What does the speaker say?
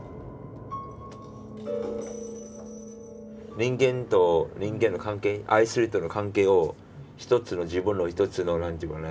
人間と人間の関係愛する人との関係を一つの自分の一つの何ていうかね